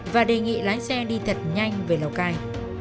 và đề nghị lái xe đi thật nhanh về lào cai